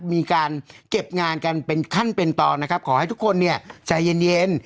มีการเก็บงานกันเป็นขั้นเป็นตอนนะครับขอให้ทุกคนเนี่ยใจเย็น